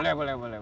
boleh boleh boleh